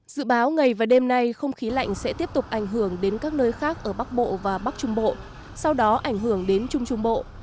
dự báo ngày và đêm nay không khí lạnh sẽ tiếp tục ảnh hưởng đến các nơi khác ở bắc bộ và bắc trung bộ sau đó ảnh hưởng đến trung trung bộ